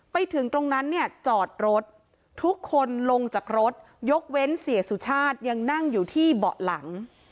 ไปถึงตรงนั้นเนี่ยจอดรถทุกคนลงจากรถยกเว้นเสียสุชาติยังนั่งอยู่ที่เบาะหลัง